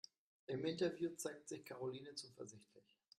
Im Interview zeigt sich Karoline zuversichtlich.